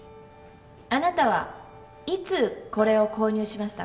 あなたはいつこれを購入しましたか？